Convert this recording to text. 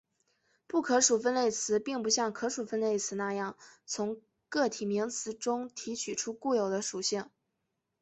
不可数分类词并不像可数分类词那样从个体名词中提取出固有的属性。